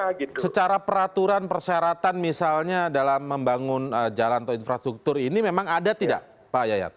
tapi secara peraturan persyaratan misalnya dalam membangun jalan atau infrastruktur ini memang ada tidak pak yayat